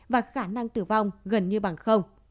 và khả năng tử vong gần như bằng không